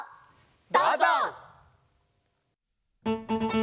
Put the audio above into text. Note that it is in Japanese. どうぞ！